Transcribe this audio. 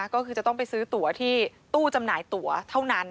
ก็คือจะต้องไปซื้อตั๋วที่ตู้จำหน่ายตัวเท่านั้น